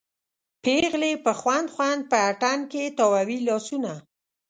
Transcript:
پیغلې په خوند خوند په اتڼ کې تاووي لاسونه